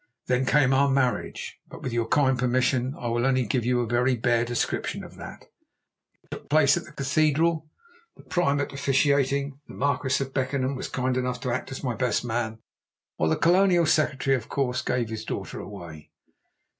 Then came our marriage. But, with your kind permission, I will only give you a very bare description of that. It took place at the cathedral, the Primate officiating. The Marquis of Beckenham was kind enough to act as my best man, while the Colonial Secretary, of course, gave his daughter away.